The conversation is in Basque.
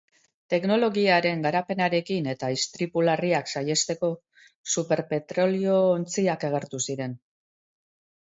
Teknologiaren garapenarekin eta istripu larriak saihesteko, super petrolio-ontziak agertu ziren.